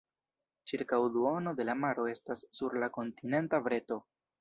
Ĉirkaŭ duono de la maro estas sur la kontinenta breto.